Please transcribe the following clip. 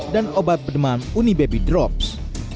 dan obat demam unibaby drops